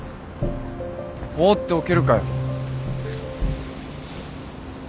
放っておけるかよ。